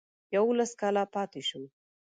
یوولس کاله پاته شو.